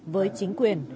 với chính quyền